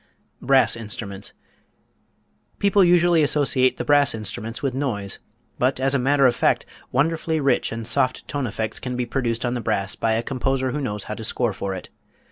Brass Instruments. People usually associate the brass instruments with noise. But as a matter of fact, wonderfully rich and soft tone effects can be produced on the brass by a composer who knows how to score for it.